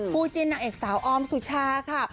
ผู้จีนเอ็กสาวออมสุชาค่ะ